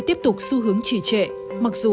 tiếp tục xu hướng trì trệ mặc dù